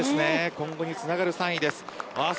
今後につながる３位です。